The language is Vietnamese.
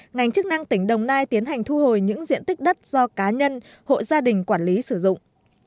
ngành chức năng tỉnh đồng nai tiến hành thu hồi những diện tích đất do cá nhân hộ gia đình quản lý sử dụng